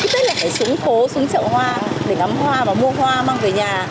cái tết này phải xuống phố xuống chợ hoa để ngắm hoa và mua hoa mang về nhà